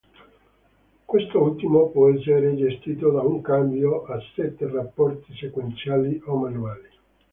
Quest'ultimo può essere gestito da un cambio a sette rapporti sequenziale o manuale.